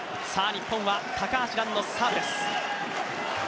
日本は高橋藍のサーブです。